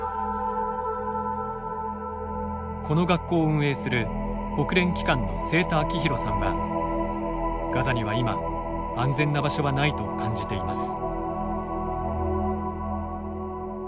この学校を運営する国連機関の清田明宏さんはガザには今安全な場所はないと感じています。